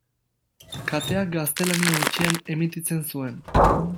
Kateak gaztelania hutsean emititzen zuen.